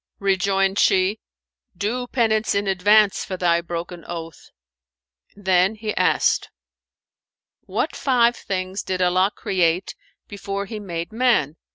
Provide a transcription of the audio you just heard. Rejoined she, "Do penance in advance for thy broken oath." Then he asked, "What five things did Allah create before he made man?"